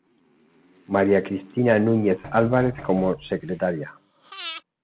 María Cristina Nuñez Álvarez como Secretaria.